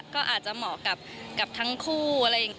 ก็อาจจะเหมาะกับทั้งคู่อะไรอย่างนี้